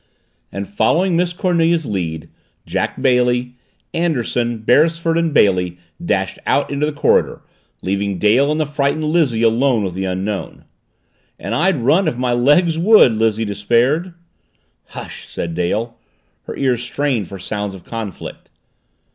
And following Miss Cornelia's lead, Jack Bailey, Anderson, Beresford, and Billy dashed out into the corridor, leaving Dale and the frightened Lizzie alone with the Unknown. "And I'd run if my legs would!" Lizzie despaired. "Hush!" said Dale, her ears strained for sounds of conflict.